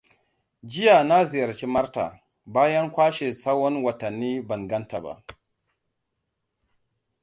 Jiya na ziyarci Martha, bayan kwashe tsahon watanni ban ganta ba.